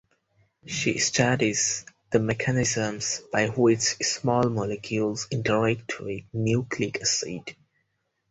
She studies the mechanisms by which small molecules interact with nucleic acid.